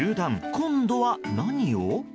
今度は何を。